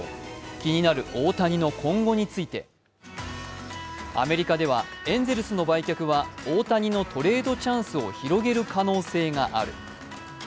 気になる大谷の今後についてアメリカではエンゼルスの売却は大谷のトレードチャンスを広げる可能性がある。